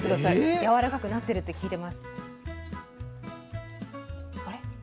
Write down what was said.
やわらかくなってるって聞いてます。